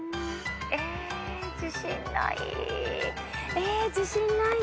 え自信ないな。